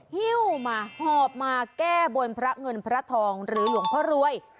หิ้วมาหอบมาแก้บนพระเงินพระทองหรือหลวงพ่อรวย